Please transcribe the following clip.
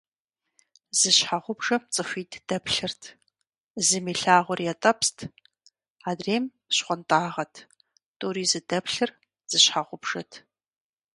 Зы щхьэгъубжэм цӏыхуитӏ дэплъырт. Зым илъагъур ятӏэпст, адрейм щхъуантӏагъэт. Тӏури зыдэплъыр зы щхьэгъубжэт…